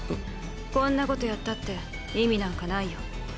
こんなことやったって意味なんかないよ。